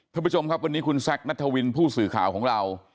ท่านผู้ชมครับวันนี้คุณแซคนัทวินผู้สื่อข่าวของเรา